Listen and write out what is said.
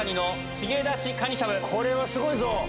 これはすごいぞ！